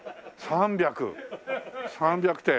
３００点。